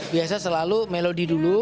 biasa selalu melodi dulu